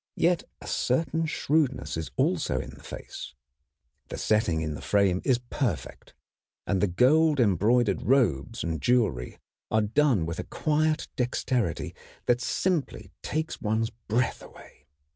Yet a certain shrewdness is also in the face. The setting in the frame is perfect, and the gold embroidered robes and jewelry are done with a quiet dexterity that simply takes one's breath away.